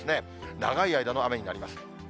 長い間の雨になります。